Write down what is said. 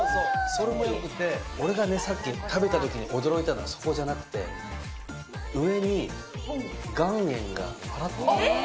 それもよくて、俺がね、さっき食べたときに驚いたのはそこじゃなくて、上に岩塩がぱらっと載ってる。